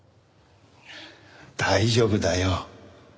大丈夫だよ。